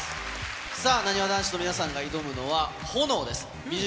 さあ、なにわ男子の皆さんが挑むのは、炎です。